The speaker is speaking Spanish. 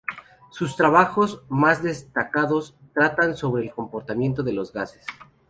Sus trabajos más destacados tratan sobre el comportamiento de los gases.